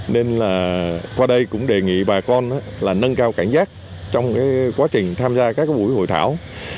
nên là qua đây cũng đề nghị bà con là nâng cao cảnh giác trong quá trình tham gia các buổi hội thảo